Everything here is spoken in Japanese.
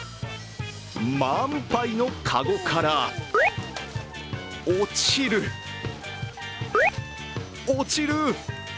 満杯のかごから落ちる、落ちる！